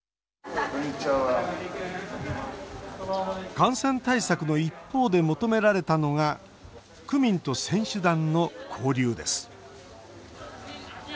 感染対策の一方で求められたのが区民と選手団の交流です。